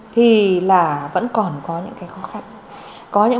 thì là vẫn còn có những cái khó khăn